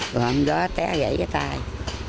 rồi hôm đó té gãy cái tay